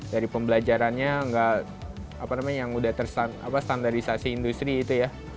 dari pembelajarannya yang sudah standarisasi industri itu ya